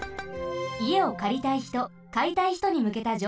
いえをかりたいひとかいたいひとにむけたじょうほうです。